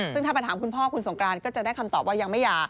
ซึ่งถ้าไปถามคุณพ่อคุณสงกรานก็จะได้คำตอบว่ายังไม่หย่า